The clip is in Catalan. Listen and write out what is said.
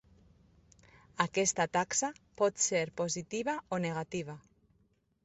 Aquesta taxa pot ser positiva o negativa.